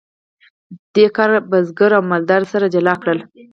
دې کار بزګري او مالداري سره جلا کړل.